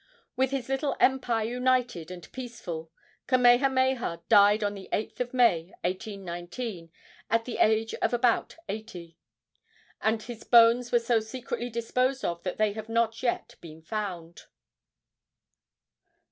With his little empire united and peaceful, Kamehameha died on the 8th of May, 1819, at the age of about eighty; and his bones were so secretly disposed of that they have not yet been found.